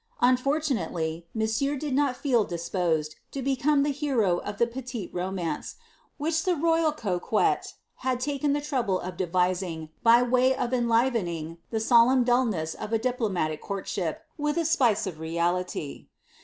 Unfortunately, monsieur did not feel dis posed to become the hero of the petite romance, which the royal coquette had taken the trouble of devising, by way of enlivening the solemn dulness of a diplomatic courtship with a spice of reality.